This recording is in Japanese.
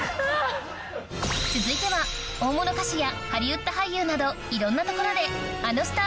続いては大物歌手やハリウッド俳優などいろんな所で・あぁ！